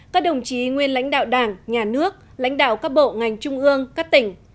các đồng chí nguyên lãnh đạo đảng nhà nước lãnh đạo các bộ ngành trung ương các tỉnh